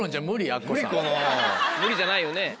無理じゃないよね。